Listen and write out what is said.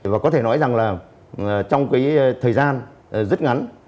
và có thể nói rằng là trong cái thời gian rất ngắn